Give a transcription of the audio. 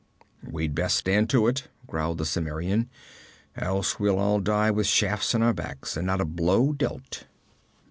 'We'd best stand to it,' growled the Cimmerian; 'else we'll all die with shafts in our backs, and not a blow dealt.'